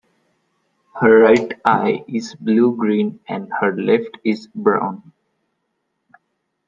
Her right eye is blue-green and her left is brown.